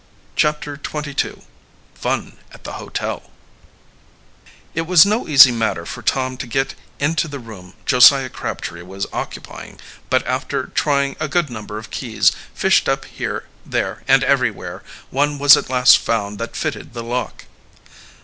CHAPTER XXII FUN AT THE HOTEL It was no easy matter for Tom to get into the room Josiah Crabtree was occupying, but after trying a good number of keys, fished up here, there, and everywhere, one was at last found that fitted the lock.